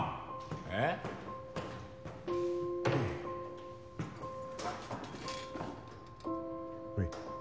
えっ？ほい。